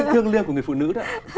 thương liêng của người phụ nữ đó